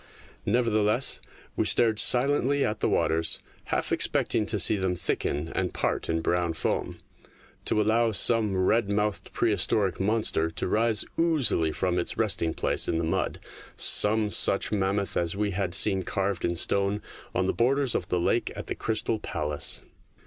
Nevertheless, we stared silently at the waters, half expecting THE MAGIC POOL 19 to see them thicken and part in brown foam, to allow some red mouthed prehistoric monster to rise oozily from his resting place in the mud some such mammoth as we had seen carved in stone on the borders of the lake at the Crystal Palace.